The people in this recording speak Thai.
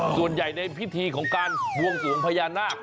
ส่วนใหญ่ในพิธีของการบวงสวงพญานาค